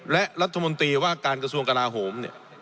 และรัฐมนตรีว่าการกระทรวงกลาโหมเนี่ย